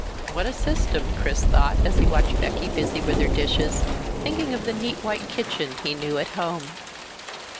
What a system! Chris thought as he watched Becky busy with her dishes, thinking of the neat white kitchen he knew at home.